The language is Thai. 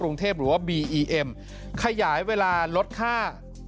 โทษภาพชาวนี้ก็จะได้ราคาใหม่